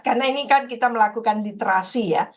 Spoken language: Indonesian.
karena ini kan kita melakukan literasi ya